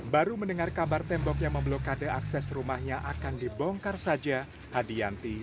baru mendengar kabar tembok yang memblokade akses rumahnya akan dibongkar saja hadianti